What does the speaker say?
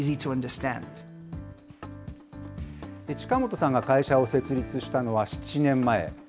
近本さんが会社を設立したのは、７年前。